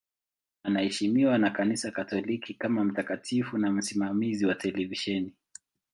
Anaheshimiwa na Kanisa Katoliki kama mtakatifu na msimamizi wa televisheni.